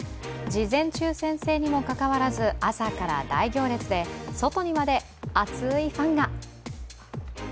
事前抽選制にもかかわらず朝から大行列で外にまで熱いファンが。